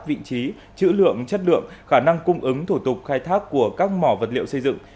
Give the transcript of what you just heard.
vị trí chữ lượng chất lượng khả năng cung ứng thủ tục khai thác của các mỏ vật liệu xây dựng